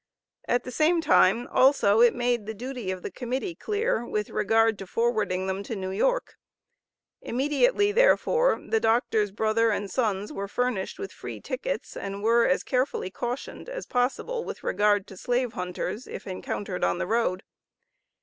At the same time also it made the duty of the Committee clear with regard to forwarding them to N.Y. Immediately, therefore, the Doctor's brother and sons were furnished with free tickets and were as carefully cautioned as possible with regard to slave hunters, if encountered on the road.